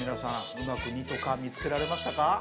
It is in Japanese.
うまく「２」と「か」見つけられましたか？